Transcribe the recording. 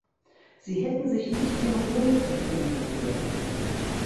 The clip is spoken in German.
Sie hätten sich nicht in Rom befinden dürfen.